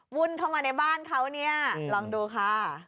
วุ่นเข้ามาในบ้านเขาเนี่ยลองดูค่ะ